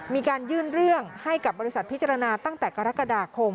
มีการยื่นเรื่องให้กับบริษัทพิจารณาตั้งแต่กรกฎาคม